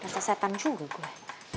rasa setan juga gue